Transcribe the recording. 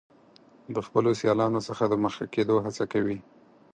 د خپلو سیالانو څخه د مخکې کیدو هڅه کوي.